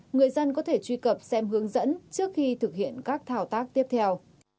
người dân có thể truy cập xem hướng dẫn trước khi thực hiện các thao tác tiếp theo